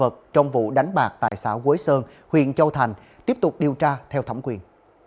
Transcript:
vật trong vụ đánh bạc tại xã quế sơn huyện châu thành tiếp tục điều tra theo thẩm quyền